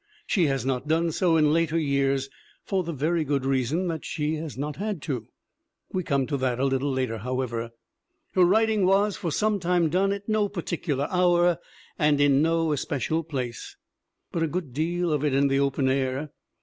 She has not done so in later years for the very good reason that she has not had to. We come to that a little later, however. Her writing was for some time done at no particu lar hour and in no especial place, but a good deal of it in the open air.